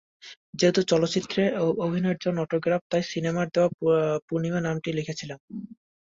যেহেতু চলচ্চিত্রে অভিনয়ের জন্য অটোগ্রাফ, তাই সিনেমার দেওয়া পূর্ণিমা নামটিই লিখেছিলাম।